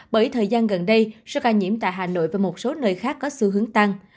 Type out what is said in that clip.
bởi thời gian gần đây số ca nhiễm tại hà nội và một số nơi khác có xu hướng tăng